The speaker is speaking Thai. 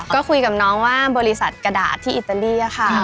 ก็คุยกับน้องว่าบริษัทกระดาษที่อิตาลีค่ะ